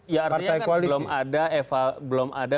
ya artinya kan belum ada